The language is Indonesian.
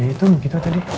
ya itu gitu tadi